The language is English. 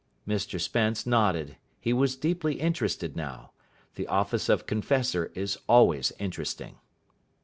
Mr Spence nodded. He was deeply interested now. The office of confessor is always interesting.